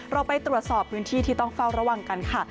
เราไปตรวจสอบพื้นที่ที่ต้องเฝ้าระวังกันค่ะ